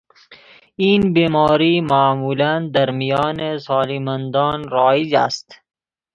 این بیماری معمولا در میان سالمندان رایج است.